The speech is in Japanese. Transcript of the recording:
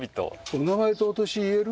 お名前とお年言える？